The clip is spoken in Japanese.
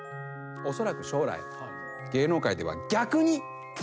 おそらく将来芸能界では逆に。